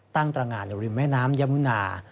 ตั้งตรงานอยู่ริมแม่น้ำยามุนา